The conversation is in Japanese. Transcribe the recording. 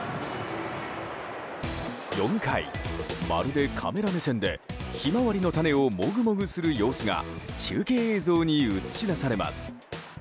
４回、まるでカメラ目線でヒマワリの種をモグモグする様子が中継映像に映し出されます。